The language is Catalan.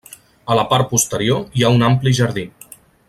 A la part posterior hi ha un ampli jardí.